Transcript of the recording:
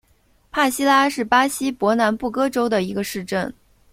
帕西拉是巴西伯南布哥州的一个市镇。